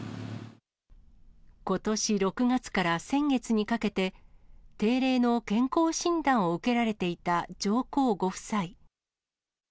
ことし６月から先月にかけて、定例の健康診断を受けられていた上皇ご夫妻。